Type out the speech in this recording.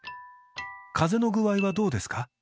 「風邪の具合はどうですか」